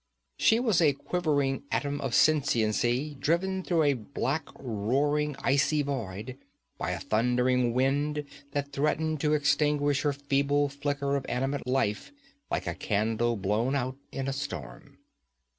She was a quivering atom of sentiency driven through a black, roaring, icy void by a thundering wind that threatened to extinguish her feeble flicker of animate life like a candle blown out in a storm.